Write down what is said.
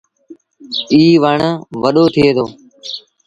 ايٚ وڻ وڏو ٿئي دو۔